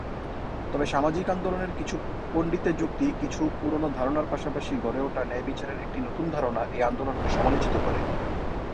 তবে সামাজিক আন্দোলনের কিছু পণ্ডিতের যুক্তি, কিছু পুরানো ধারণার পাশাপাশি গড়ে ওঠা ন্যায়বিচারের একটি নতুন ধারণা এই আন্দোলনকে সমালোচিত করে।